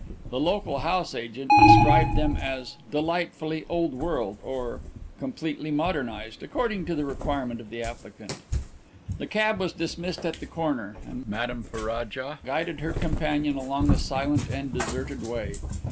The local house agent described them as "delightfully old world" or "completely modernized" according to the requirement of the applicant. The cab was dismissed at the corner and Madame Ferraja guided her companion along the silent and deserted way.